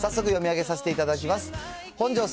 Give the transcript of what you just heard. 早速、読み上げさせていただきます。